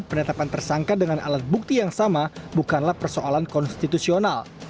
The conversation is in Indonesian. penetapan tersangka dengan alat bukti yang sama bukanlah persoalan konstitusional